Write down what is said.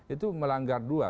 itu melanggar dua